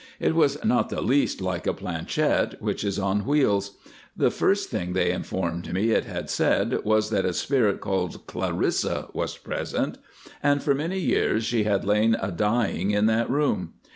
It was not the least like a planchette, which is on wheels. The first thing they informed me it had said was that a spirit called Clarissa was present, and for many years she had lain a dying in that room.